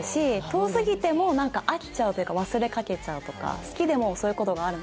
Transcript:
遠すぎてもなんか飽きちゃうというか忘れかけちゃうとか好きでもそういう事があるので。